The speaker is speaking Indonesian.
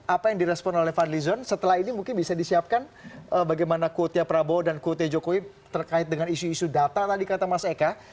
apa yang direspon oleh fadlizon setelah ini mungkin bisa disiapkan bagaimana quote nya prabowo dan quote jokowi terkait dengan isu isu data tadi kata mas eka